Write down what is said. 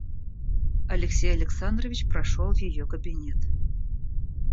Алексей Александрович прошел в ее кабинет.